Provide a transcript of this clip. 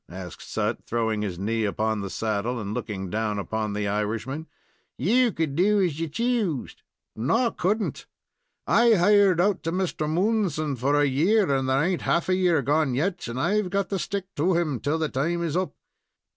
asked Sut, throwing his knee upon the saddle and looking down upon the Irishman. "You could do as you choosed." "No, I could n't. I hired out to Mr. Moonson for a year, and there ain't half a year gone yet, and I've got to stick to him till the time is up."